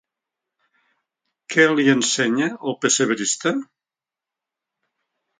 Què li ensenya el pessebrista?